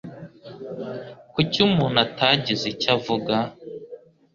Kuki umuntu atagize icyo avuga?